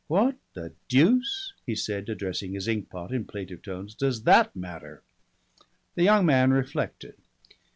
"What the deuce," he said, addressing his inkpot in plaintive tones, "does that matter?" The young man reflected.